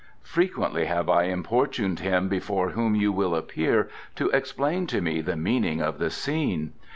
Frequently have I importuned him before whom you will appear to explain to me the meaning of the scene.